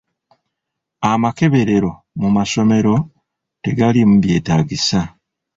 Amakeberero mu masomero tegaliimu byetaagisa.